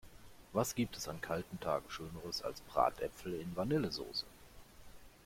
Was gibt es an kalten Tagen schöneres als Bratäpfel in Vanillesoße!